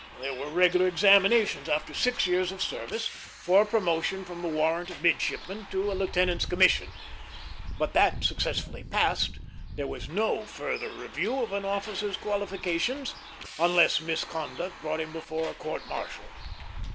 There were regular examinations, after six years of service, for promotion from the warrant of midshipman to a lieutenant's commission; but, that successfully passed, there was no further review of an officer's qualifications, unless misconduct brought him before a court martial.